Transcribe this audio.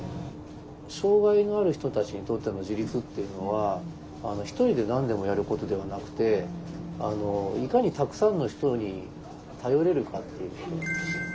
障害のある人たちにとっての自立っていうのはひとりで何でもやることではなくていかにたくさんの人に頼れるかっていうことなんですよ。